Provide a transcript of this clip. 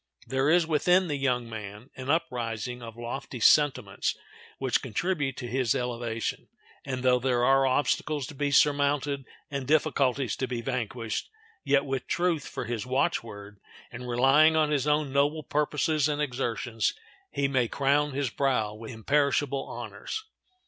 There is within the young man an uprising of lofty sentiments which contribute to his elevation, and though there are obstacles to be surmounted and difficulties to be vanquished, yet with truth for his watchword, and relying on his own noble purposes and exertions, he may crown his brow with imperishable honors.